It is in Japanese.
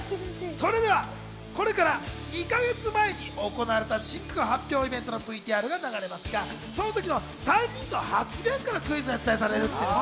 それでは、これから２か月前に行われた新曲発表イベントのＶＴＲが流れますが、その時の３人の発言からクイズが出題されるんです。